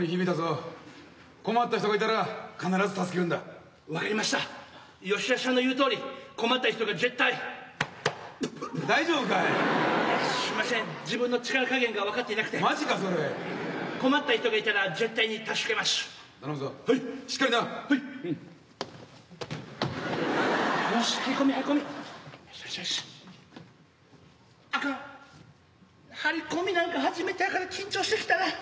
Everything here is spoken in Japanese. あかん張り込みなんか初めてやから緊張してきた。